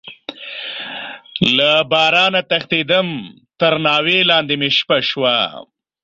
له بارانه تښتيدم، تر ناوې لاندې مې شپه شوه.